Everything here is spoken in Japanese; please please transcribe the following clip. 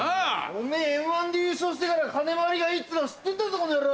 おめぇ『Ｍ−１』で優勝してから金回りがいいっつうの知ってんだぞこの野郎！